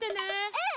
うん！